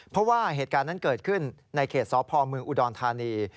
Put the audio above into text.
เพราะว่าเหตุการณ์นั้นเกิดขึ้นในเขตสพเมืองอุดรธานี